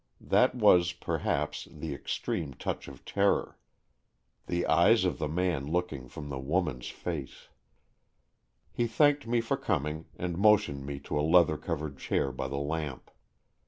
That was, perhaps, the supreme touch of terror — 182 AN EXCHANGE OF SOULS the eyes of the man looking from the woman's face. He thanked me for coming, and motioned me to a leather covered chair by the lamp.